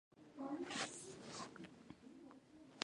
هغوی د سړک پر غاړه د پاک ستوري ننداره وکړه.